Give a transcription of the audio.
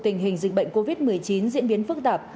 tình hình dịch bệnh covid một mươi chín diễn biến phức tạp